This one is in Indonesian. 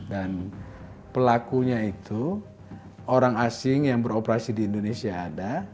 pelakunya itu orang asing yang beroperasi di indonesia ada